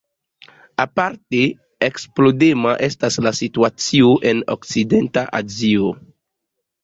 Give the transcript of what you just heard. Aparte eksplodema estas la situacio en okcidenta Azio.